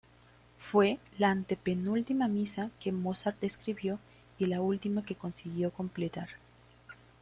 Fue la antepenúltima misa que Mozart escribió y la última que consiguió completar.